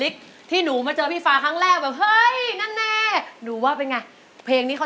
สืบแล้วก็ถือกลายแล้ว